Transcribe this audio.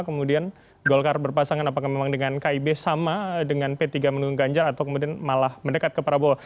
kemudian golkar berpasangan apakah memang dengan kib sama dengan p tiga menunggang ganjar atau kemudian malah mendekat ke prabowo